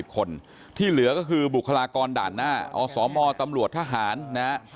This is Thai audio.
คนที่เหลือก็คือบุคลากรด่านหน้าอสมตำรวจทหารนะฮะ